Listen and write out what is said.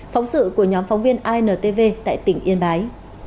phóng sự của nhóm phóng viên intv tại tỉnh yên bái